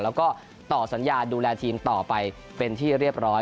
แล้วก็ต่อสัญญาดูแลทีมต่อไปเป็นที่เรียบร้อย